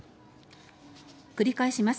繰り返します。